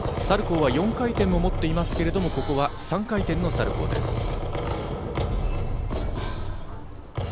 サルコーは４回転も持っていますがここは３回転のサルコーです。